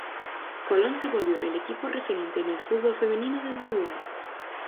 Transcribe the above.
Colón se volvió el equipo referente en el fútbol femenino de Uruguay.